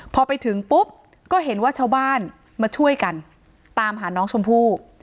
พอไปถึงปุ๊บก็เห็นว่าชาวบ้านมาช่วยกันตามหาน้องชมพู่